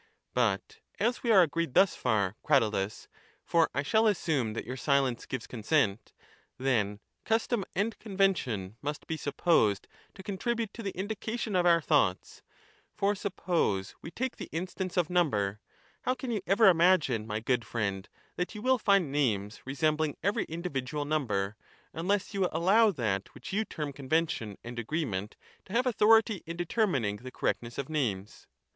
But as we are agreed thus far, Cratylus (for I shall assume that your silence gives consent), then custom and convention must be supposed to contribute to the indication of our thoughts ; for suppose we take the instance of number, how can you ever imagine, my good friend, that you will find names resembling every individual number, unless you allow that which you term convention and agreement to have authority in determining the correct ness of names?